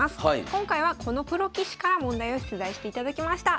今回はこのプロ棋士から問題を出題していただきました。